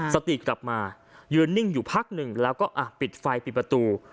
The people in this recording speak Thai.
สติกลับมายืนนิ่งอยู่พักหนึ่งแล้วก็ปิดไฟปิดประตู